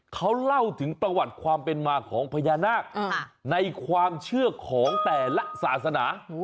เขาเล่าถึงประวัติความเป็นมาของพญานาคในความเชื่อของแต่ละศาสนา